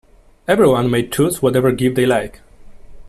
Everyone may choose whatever gift they like.